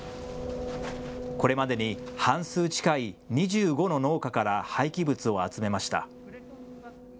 これまでに半数近い２５の農家から廃棄物を集めました。